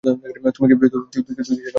তুই কি সেটা অনুধাবন করেছিস?